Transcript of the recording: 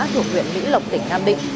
thuộc huyện mỹ lộc tỉnh nam định